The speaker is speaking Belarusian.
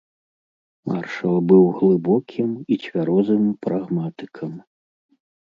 Маршал быў глыбокім і цвярозым прагматыкам.